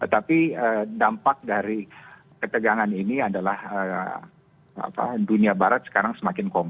tapi dampak dari ketegangan ini adalah dunia barat sekarang semakin kompak